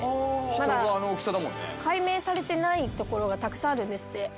まだ解明されてない所がたくさんあるんですって。